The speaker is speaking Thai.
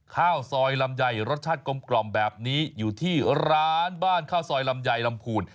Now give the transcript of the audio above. ข้าวซอยลำไยรสชาติกลมแบบนี้อยู่ที่ร้านบ้านข้าวซอยลำไยลำพูน